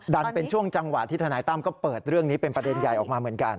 เป็นช่วงจังหวะที่ทนายตั้มก็เปิดเรื่องนี้เป็นประเด็นใหญ่ออกมาเหมือนกัน